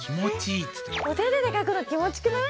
お手手で描くの気持ちくない？